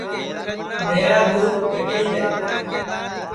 میرا ٻُوٹ گٹھی دؔے